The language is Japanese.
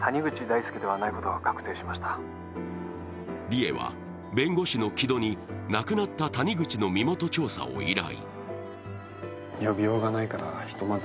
里枝は弁護士の城戸に亡くなった谷口の身元調査を依頼。